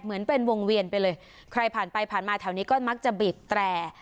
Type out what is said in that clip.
เหมือนเป็นวงเวียนไปเลยใครผ่านไปผ่านมาแถวนี้ก็มักจะบีบแตร